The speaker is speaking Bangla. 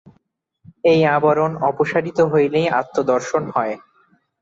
এই আবরণ অপসারিত হইলেই আত্মদর্শন হয়।